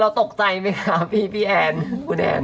ตกใจไหมคะพี่แอนคุณแอน